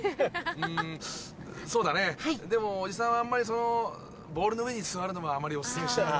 うんそうだねでもおじさんはあんまりボールの上に座るのはあまりお勧めしないな。